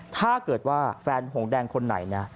ถ้าเกิดว่าแฟนหงแดงคนไหนนะ